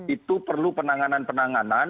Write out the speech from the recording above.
itu perlu penanganan penanganan